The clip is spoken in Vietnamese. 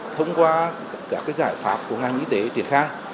thông qua các giải pháp của ngành y tế triển khai